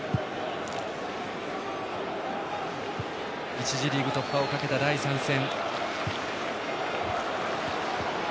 １次リーグ突破をかけた第３戦。